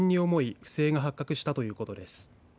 不正が発覚したということです。